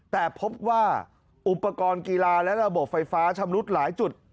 แต่พบว่าอุปกรณ์กีฬาและระบบไฟฟ้าชำรุดหลายจุด